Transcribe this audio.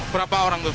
berapa orang tuh